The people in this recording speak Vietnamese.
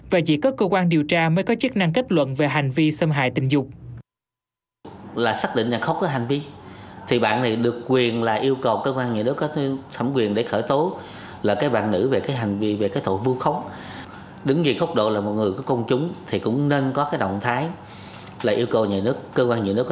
và chỉ có cơ quan điều tra mới có chức năng kết luận về hành vi xâm hại tình dục